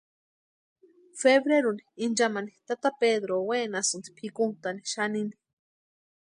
Febreruni inchamani tata Pedró wenasïnti pʼikuntani xanini.